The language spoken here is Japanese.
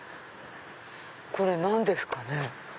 これ何ですかね？